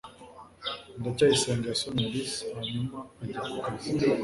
ndacyayisenga yasomye alice hanyuma ajya ku kazi